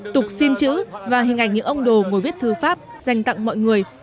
tục xin chữ và hình ảnh những ông đồ ngồi viết thư pháp dành tặng mọi người